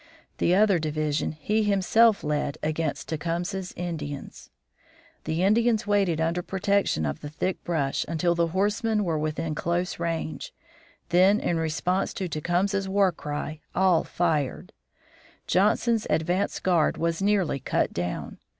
The other division he himself led against Tecumseh's Indians. The Indians waited under protection of the thick brush until the horsemen were within close range; then in response to Tecumseh's war cry all fired. Johnson's advance guard was nearly cut down.